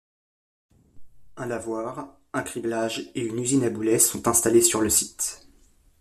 Un lavoir, un criblage et une usine à boulets sont installés sur le site.